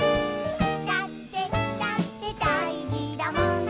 「だってだってだいじだもん」